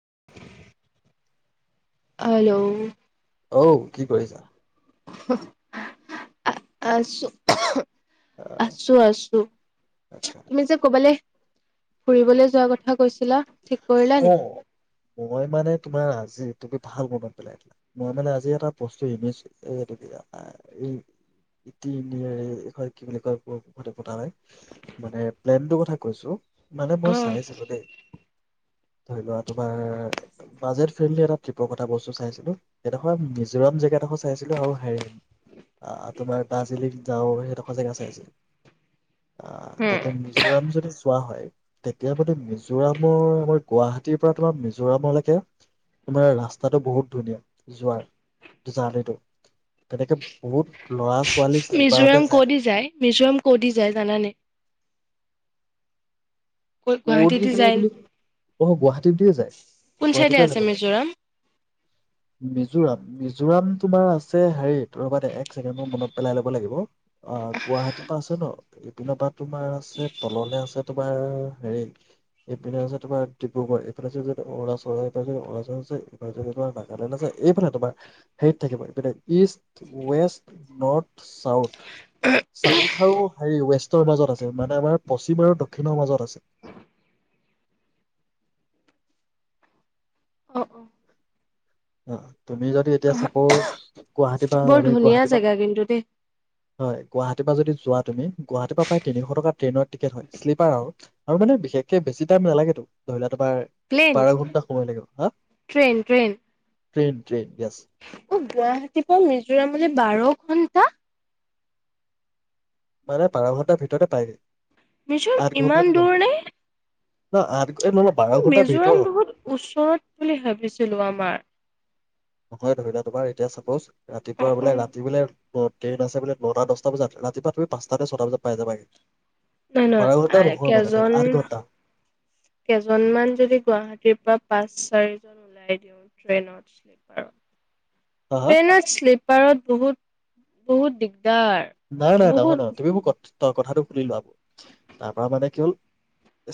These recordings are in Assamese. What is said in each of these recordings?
হম হেল্ল' অঔ কি কৰিছা হ'ম আ আছ আহ আছো আছো আচ্ছা তুমি আচ্ছা যে ক'বালৈ ফুৰিবলৈ যোৱা কথা কৈছিলা ঠিক কৰিলা নি? অ মই মানে তোমাৰ আজিৰ তি ভাল মনত পেলাদিলা মই মানে আজি এটা বস্তু এছো এই কি বুলি কয়তে পতা নাই মানে প্লেনটোৰ কথা কৈছো মানে মই অ চাইছিলো দেই ধৰি লোৱা তোমাৰ বাজেট ফ্ৰেণ্ডলি এটা ট্ৰিপৰ কথা বস্তু চাইছিলো সেইডোখৰ মিজোৰাম জেগাডোখৰ চাইছিলো আৰু হেৰি তোমাৰ দাৰ্জিলিং যাও সেইডোখৰ জাগা চাইছিলো অ হুম। তাকে মিজোৰাম যদি যোৱা হয় তেতিয়া মানে মিজোৰামৰ মানে গুৱাহাটীৰ পৰা তোমাৰ মিজোৰামলৈকে তোমাৰ ৰাস্তাটো বহুত ধুনীয়া যোৱাৰ জাৰ্ণিটো তেনেকে বহুত লৰা ছ মিজোৰাম কদি যায় মিজোৰাম ক'দি যায় জানানে উৰ দি যায় বুলি অ গুৱাহাটীয় যায় কোন গুৱাহাটীৰ চাইডে পৰা আছে যাব মিজোৰাম? ল মিজোৰাম মিজোৰাম তোমাৰ আছে হেৰিত ৰ'ব একছেকেণ্ড ম মনত পেলাই লব লাগিব অ গুৱাহাটী পৰা আছে ন এইপিনৰ পৰা তোমাৰ আছে তললে আছে তোমাৰ হেৰি এইপিনে আছে তোমাৰ ডিব্ৰুগড় এইফালে অৰুণচল এইফালেদি অৰুণাচল আছে এইফালেদি তোমাৰ নাগালেণ্ড আছে এইফালে তোমাৰ হেৰিত থাকিব ইপিনে east west north south south আৰু হেৰি ৱেষ্টৰ মাজত আছে মানে আমাৰ পশ্চিম আৰু দক্ষিণৰ মাজত আছে অ অ অ তুমি যদি এতিয়া চাপোজ গুৱাহাটীৰ পৰা বৰ আমি ধুনীয়া গুৱাহাটীৰ পৰা জেগা কিন্তু দেই। হয় গুৱাহ যোৱা তুমি গুৱাহাটী পৰা প্ৰায় তিনিশ ট ট্ৰেইনৰ টিকেট শ্লীপাৰ হয় আৰু মানে বিশেষকে বেছি টাইম নালাগেটো ধৰি লোৱা তোমাৰ প্লেন বাৰ ঘন্টা সময় লাগিব হা ট্ৰেইন ট্ৰেইন য়েছ অ গুৱাহাটীৰ পৰা মিজোৰামলৈ বাৰ ঘন্টা মানে বাৰ ঘণ্টাৰ ভিতৰতে পায়গৈ মিছুৰ ইমান দূৰনে? না এই মিজোৰাম বহুত নহয় ধৰি লোৱা তোমাৰ এতিয়া ছাপোজ অ ৰাতিপুৱা অ বোলে ৰাতি বোলে অঁ, ট্ৰেইন আছে বোলে নটা দছটা বজাত ৰাতিপুৱা তুমি পাঁচটা নে ছটা বজাত পাই যাবাগে। নহয় বাৰ নহয় ঘন্টা আ নহয় মানে ধৰি কেইজন লোৱা আঠ ঘন্টা কেইজনমান যদি গুৱাহাটীৰ পৰা পাঁচ চাৰিজন ওলাই দিওঁ ট্ৰেইনত শ্লীপাৰত। হা হা ট্ৰেইনত শ্লীপাৰত বহুত। বহুত দিগদাৰ নাই নাই নহয় বহুত নহয় তুমি মোক ক'ত তই কথাটো শুনি লোৱা। তাৰ পৰা মানে কি হ'ল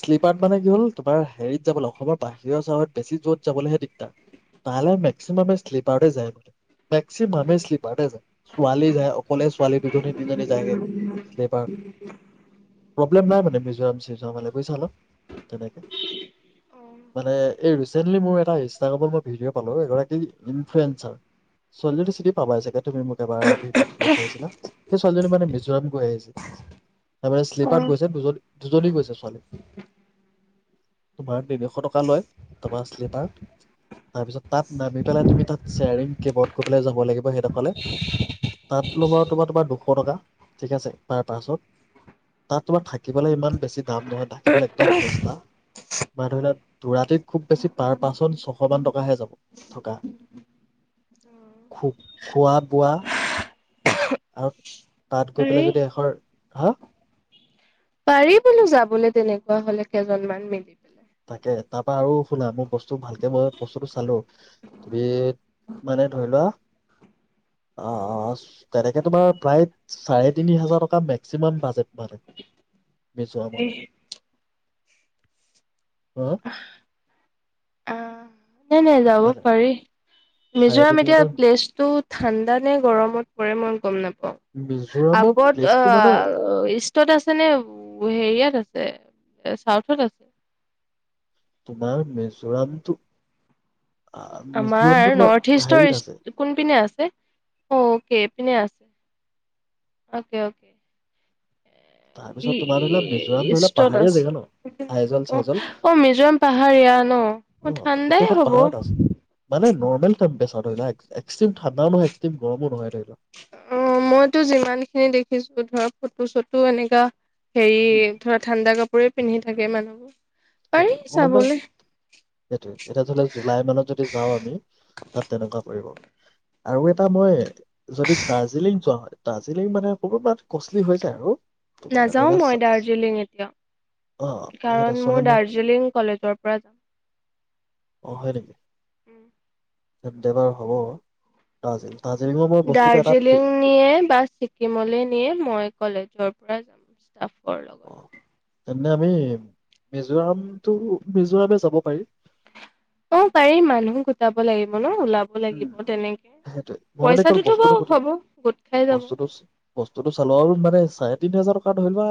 শ্লিপাৰত মানে কি হ'ল তোমাৰ হেৰিত যাবলৈ অসমৰ বাহিৰৰ চহৰত বেছি দূৰত যাবলৈহে দিগদাৰ, তালৈ মেক্সিমামে শ্লিপাৰতে যায়। মেক্সিমামে শ্লীপাৰতে যায়। ছোৱালী যায় অকলে দুজনী-তিনজনী যায়গে শ্লীপাৰ, প্ৰব্লেম নাই মানে মিজোৰাম [unintelligible] বুইছা ন। তেনেকে অ মানে এই ৰি ছাডেনলি মোৰ এটা ইনষ্টাগ্ৰামত মই ভিডিঅ' পালো এগৰাকী ইনফ্লুৱেঞ্চাৰ, ছোৱালীজনী চিনি পাবাই চাগে। তুমি মোক এবাৰ ভিডিঅ' যিটো চাইছিলা। ছোৱালীজনী মানে মিজোৰাম গৈ আহিছিল। তাৰমানে শ্লীপাৰত গৈছে দুজন দুজনী গৈছে ছোৱালী। তোমাৰ তিনিশ টকা লয়, তোমাৰ শ্লিপাৰ। তাৰপিছত তাত নামি পেলাই তুমি তাত শেয়াৰিং কেবত গৈ পেলাই যাব লাগিব সেইডখৰলে তাত ল'ব। তোমাৰ তোমাৰ দুশ টকা ঠিক আছে পাৰ পাৰ্চন। তাত তোমাৰ থাকিবলৈ ইমান বেছি দাম নহয়, থাকিবলৈ একদম সস্তা তোমাৰ ধৰি লোৱা দুৰাতিত খুব বেছি পাৰ পাৰ্চন ছশমান টকাহে যাব থকা খো খোৱা-বোৱা। আৰু তাত গৈ পাৰি পেলাই যদি এখৰ, হা? পাৰি বোলো যাবলৈ তেনেকুৱা হ'লে কেইজনমান মিলি পেলে। তাকে তাৰ পৰা আৰু শুনা মই বস্তু ভালকে মই বস্তুটো চালো তুমি মানে ধৰি লোৱা আ আ আ তেনেকে তোমাৰ প্ৰায় চাৰে তিনি হাজাৰ টকা মেক্সিমাম বাজেট মানে। মিজোৰামলে। হা অঁ নাই নাই যাব মানে পাৰি। চাৰে মিজোৰাম তিনি এতিয়া হাজাৰ প্লেচটো ঠাণ্ডা নে গৰমত পৰে মই গম না অঁ। মিজোৰামৰ আপত প্লেচটো মানে অঁ ইষ্টত আছে নে হেৰিয়াত আছে এ চাউথত আছে। তোমাৰ মিজোৰামটো আহ মিজোৰামটো আমাৰ তোমাৰ নৰ্থ ইষ্টৰ হেৰিত আছে কোনপিনে আছে অকে ইপিন আছে অকে অকে তাৰপিছত তোমাৰ ধৰিলোৱা মিজোৰাম ধৰি লোৱা পাহাৰীয়া আছে জেগা ন আইজল চাইজল মিজোৰাম পাহাৰীয়া ন অ ঠাণ্ডাই গোটেইখন হ'ব পাহাৰত আছে মানে নৰ্মেল টেম্পৰেচাৰ ধৰি লোৱা এক্ট্ৰম ঠাণ্ডা নহয় ইক্ট্ৰম গৰমো নহয় লোৱা অ মইতো যিমান খিনি দেখিছো ধৰক ফটো চটো এনেকা হেৰি উম, ধৰা ঠাণ্ডা কাপোৰে পিন্ধি থাকে মানুহবোৰ পাৰি সেইটোৱে অকমান চাবলৈ সেইটো এতিয়া ধৰি ল জুলাই মানত যদি যাও আমি তাত তেনেকোৱা পৰিব আৰু এটা মই যদি দাৰ্জিলিং যোৱা হয় দাৰ্জিলিং মানে ক'বাত কষ্টলি হৈ যায় আৰু তোমাৰ ধৰি নাযাও লোৱা মই ছ- দাৰ্জিলিং অ এতিয়া সেইটো কাৰণ ছয় মোৰ মাহ দাৰ্জ দাৰ্জিলিং কলেজৰ পৰা যাম উ কেব ড্ৰাইভাৰ হ'ব এটা আছিল দাৰ্জিলিঙৰ মই বস্তুটো দাৰ্জিলিং নিয়ে বা ছিকিমলৈ নিয়ে মই কলেজৰ পৰা যাম ষ্টাফৰ অ লগত তেন্তে আমি মিজোৰামটো মিজোৰামে যাব পাৰি অ পাৰিম মানুহো গোটাব লাগিব ন ওলাব লাগিব উম তেনেকে সেইটোৱে মই মানে কি হল পইচাটোতো বস্তুটো বাৰু সুধো হ'ব গোট খাই যাব বস্তুটো বস্তুটো চালোৱাও মানে চাই তিনি হাজাৰ টকা ধৰি লবা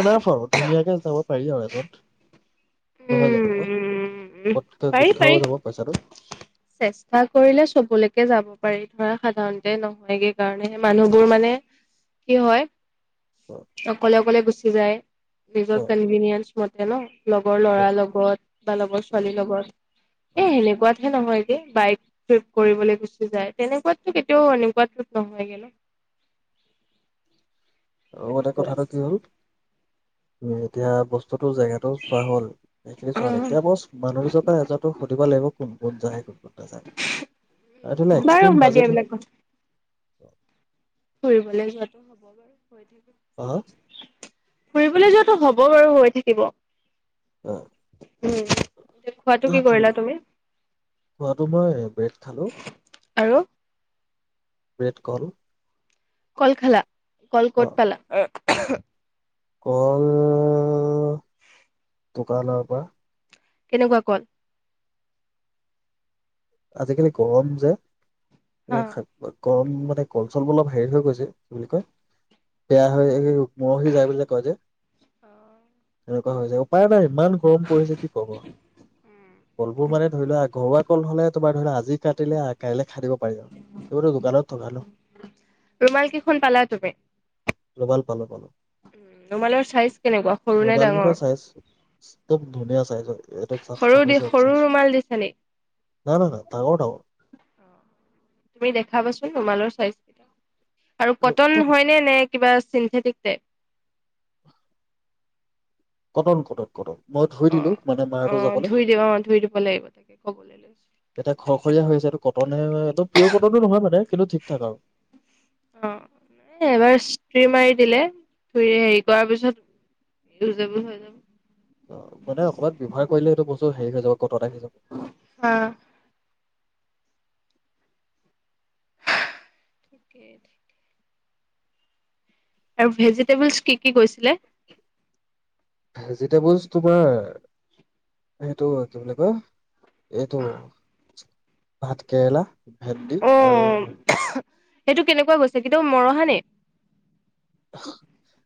এন আফ আও ধুনীয়াকে যাব পাৰি আৰু এজন নহয় জানো কা উম পতকে পাৰি গোট পাৰি খাও যাব পইচাটো চেষ্টা কৰিলে চবলৈকে যাব পাৰি ধৰা সাধাৰণতে নহয়গেই কাৰণেহে মানুহবোৰ মানে কি হয় অ অকলে অকলে গুচি হোজাই অ নিজৰ কনভিনিয়েঞ্চ মতে ন লগৰ অ ল'ৰাৰ লগত বা লগৰ অ ছোৱালীৰ লগত অ এ সেনেকোৱাতহে নহয় বাইক ট্ৰিপ কৰিবলৈ গুচি যায় তেনেকোৱাতটো কেতিয়াও এনেকোৱা নহয়গে ন লগতে কথাটো কি হ'ল উ এতিয়া বস্তু ফটো জেগাটো চোৱা হ'ল সেইখিনি চোৱা হল এতিয়া বছ মানুহ দুজন বা এজন সুধিব লাগিব কোন কোন যায় কোন কোন নাযায় আৰু ধৰি লোৱা বাৰু এক্সট্ৰিম বাদ দিয়া বাজেট উ এইবিলাক কথা ফুৰিবলৈ যোৱাটো অ ফুৰিবলৈ যত টো হ'ব বাৰু হৈ থাকিব অ উম খোৱাটো না কি কৰিলা ফুৰিব তুমি খোৱাটো মই ব্ৰেড খালো আৰু ব্ৰেড কল কল খালা কল অ কত পালা এ এহে কল দোকান পৰা কেনেকুৱা কল আজিকালি গম যে হা? এই ক মানে কল চলোৰ অলপ হেৰি হৈ গৈছে কি বুলি কয় বেয়া হৈ এই মৰহি যায় ব কয় যে এনেকুৱা হৈ হৈছে উপায় নাই ইমান গৰম পৰিছে কি কব কলবোৰ মানে ধৰি লোৱা ঘৰুৱা কল হলে আজি কাটিলে কাইলে খাই দিব যা এই দোকানত ভাল ৰুমাল কেইখন পালা তুমি ভাল পালো পালো উ ৰুমালৰ চাইজ কেনেকুৱা সৰু নে ৰবাল ডাঙৰ কেইখন চাইজ একদম ধুনীয়া চাইজ হয় এইটো চাফ সৰু দি সৰু ৰুমাল দিছ নে ন ন ন তঙটও তুমি দেখাবাচোন তোমালৰ চইচ কেইটা আৰু কটন একদম হয়নে নে কিবা চিন্থেটিকতে কটন কটন কটন মই ধুই দিলো মানে মাৰটো অ' যাবলৈ ধুই দিব অ' ধুই দিব লাগিব তাকে ক'বলৈ লৈছো এয়া ঘৰখৰীয়া হৈ আছেটো ক মান পিয়ৰ কটনটো নহয় মানে কিন্তু ঠিক ঠাক আৰু তুৰি মাৰি দিলে থু হেৰি কৰাৰ পিছত যাব হৈ যাব অ মানে অকপমান ব্যৱহাৰ কৰিলে সেইটো বস্তু হেৰি হৈ যাব গটত আহি যাব হা। ঠিকেই ঠিকে আৰু ভেজিটেবলছ কি কি কৈছিলে ভেজিটেবলছ তোমাৰ এইটো কি বুলি কয় এইটো ভাত কেৰেলা ভেন্দি আৰু অ' হ সেইটো কেনেকুৱা গৈছে কিন্তয়া মৰহা নে [unintelligible]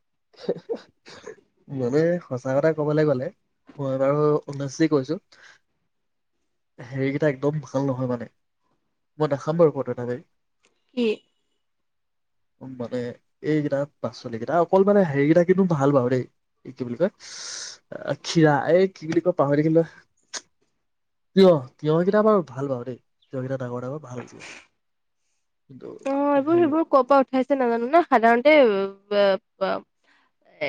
মানে সঁচা কথা কবলৈ গ'লে মই বাৰু অনুনশি কৈছো হেৰিকেইটা একদম ভাল নহয় মানে মই নাখাম বাৰু ক'তথ বাই কি উ মানে এইকেইটা পাচলি কেইটা অকল মানে হেৰি কেইটা কিন্তু ভাল পাও দেই এই কি বুলি কয় খিৰা এই কি বুলি কয় পাহৰি দে কিন্ত তিঁয়হ তিয়হ কেইটা বাৰু ভাল বাৰু দেই তিয়ঁকিতাপ ডাঙৰ ডাঙৰ ভাল দওঁ কিন্তু অ এইবোৰ সেই সেইবোৰ ক'ৰ পৰা নাজানো সাধাৰণতে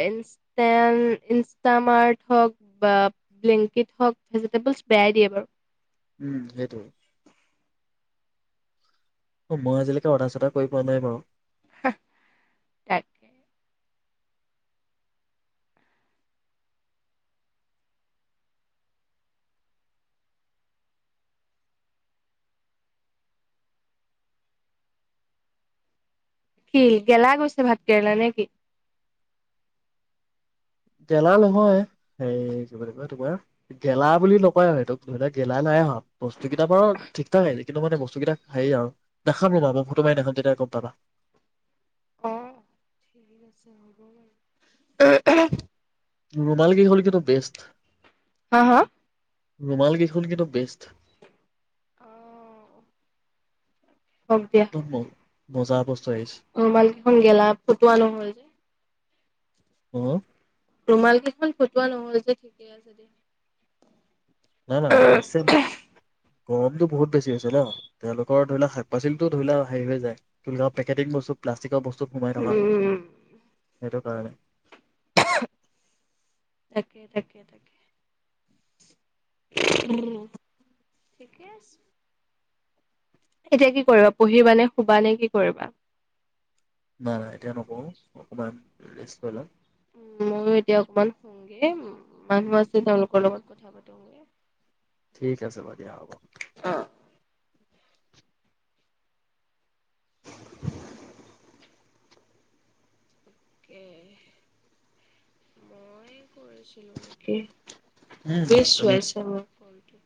ইনষ্টামাৰট হোক ভেজি টেবুল বেয়া হয় দিয়ে বাৰু উম সেইটোৱে অ মই আজিলৈকে অদ্ৰা চদ্ৰা কৰি পোৱা নাই বাৰু তাকে শিল গেলা [unintelligible] গৈছে ভাত কেৰেলা নে কি গেলা নহয় হেৰি কিবা কা তোমাৰ গেলা বুলি নকয় আৰু সেই গেলা নাই অহা বস্তু কেইতা বাৰু ঠিক থাকে আহিলে কিন্তু মানে বস্তুকেইটা হেৰি আৰু দেখাম ৰবা ফটো মাৰি দেখাম তেতিয়া গম পাবা আহ ৰুমাল কিখন কিন্তু বেষ্ট হা হা ৰুমালকেইখন কিন্তু বেষ্ট হক দিয়া মজা বস্ত ৰুমালকেইখন গেলা ফুটোৱা নহয় যে হম ৰুমাল কেইখন ফুটোৱা নহল যে ঠিকে আছে দেই নাই নাই অফ হৈছে গৰমতো বহুত বেছি হৈছে ন তেওঁলোকৰ ধৰি লোৱা শাক পাচলি টো ধোলা হেৰি হৈ যায় পেকেটিং বস্তু প্লাষ্টিকৰ বস্তু তো সোমাই থকা উম সেইটো কাৰণে তাকে তাকে তাকে উম ঠিকে আছে এতিয়া কি কৰিবা পঢ়িবা নে শুবা নে কি কৰিবা নাই নাই এতিয়া নপঢ়ো অকমান ৰেষ্ট লম উ ময়ো এতিয়া অকমান শুমগে মানুহ লম আছে তেওঁলোকৰ লগত কথা পতোগে ঠিক আছে বা দিয়া হ'ব অ তাকে মই কৰিছিল নেকি উম তুমি বেছয়ছাৰ কলটো